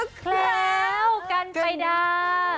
กล้วกันไปได้